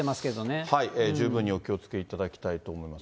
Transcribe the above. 十分にお気をつけいただきたいと思います。